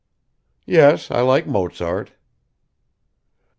"Yes, I like Mozart."